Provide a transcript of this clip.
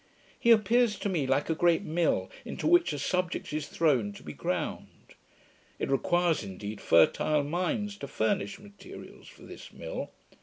He appears to me like a great mill, into which a subject is thrown to be ground. It requires, indeed, fertile minds to furnish materials for this mill.